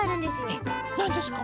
えっなんですか？